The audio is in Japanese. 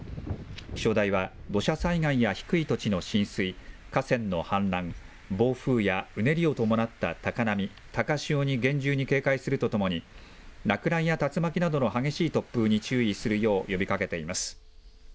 気象台は、土砂災害や低い土地の浸水、河川の氾濫、暴風やうねりを伴った高波、高潮に厳重に警戒するとともに、落雷や竜巻などの激しい突風に注意するよう呼びかけています。